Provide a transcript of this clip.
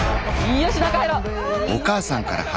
よし中入ろう。